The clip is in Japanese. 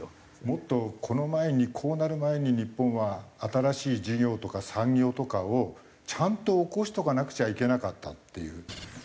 もっとこの前にこうなる前に日本は新しい事業とか産業とかをちゃんと興しとかなくちゃいけなかったっていう。